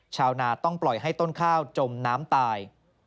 ชาวนาต้องปล่อยให้ต้นข้าวจมน้ำตาย